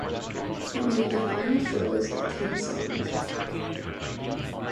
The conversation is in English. It made the final shortlist of ten songs.